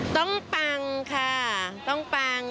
ปังค่ะต้องปัง